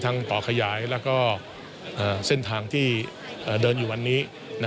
ต่อขยายและเส้นทางที่เดินอยู่วันนี้